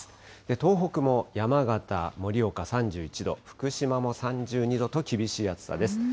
東北も山形、盛岡３１度、福島も３２度と厳しい暑さです。